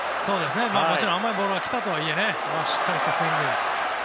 もちろん甘いボールがきたとはいえしっかりしたスイング。